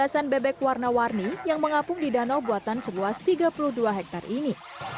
dan juga ada pemasan bebek warna warni yang mengapung di danau buatan sebuah tiga puluh dua hektare ini